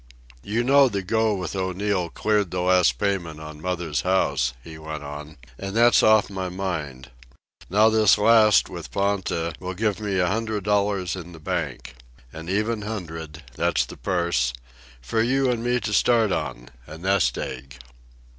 "You know the go with O'Neil cleared the last payment on mother's house," he went on. "And that's off my mind. Now this last with Ponta will give me a hundred dollars in bank an even hundred, that's the purse for you and me to start on, a nest egg."